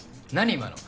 今の。